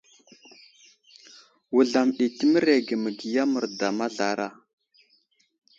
Wuzlam ɗi təmerege məgiya merda mazlara.